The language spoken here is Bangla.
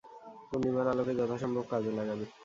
পূর্ণিমার আলোকে যথাসম্ভব কাজে লাগাবে!